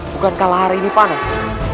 bukankah lahar ini panas